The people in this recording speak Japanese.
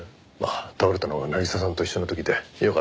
倒れたのが渚さんと一緒の時でよかったです。